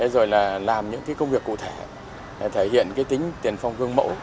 rồi làm những công việc cụ thể để thể hiện tính tiền phong gương mẫu